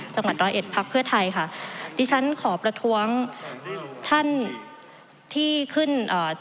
จังหวัดร้อยเอ็ดพักเพื่อไทยค่ะดิฉันขอประท้วงท่านที่ขึ้นอ่า